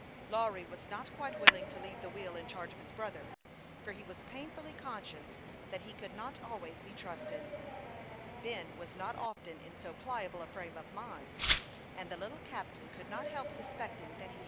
Lawry was not quite willing to leave the wheel in charge of his brother, for he was painfully con scious that he could not always be trusted. Ben was not often in so pliable a frame of mind, and the little captain could not help suspecting that he THE YOUNG PILOT OF LAKE CHA51PLAIN.